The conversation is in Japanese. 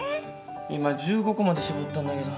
今１５個まで絞ったんだけど。